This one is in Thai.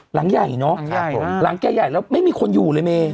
หลังใหญ่เนอะครับผมหลังแกใหญ่แล้วไม่มีคนอยู่เลยเม